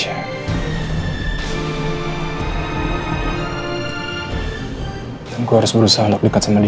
ini luar biasa kok